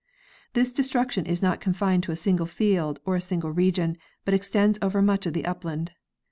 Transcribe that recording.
This destruction is not confined to a single field or a single region, but extends over much of the upland.